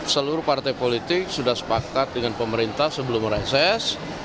seluruh partai politik sudah sepakat dengan pemerintah sebelum reses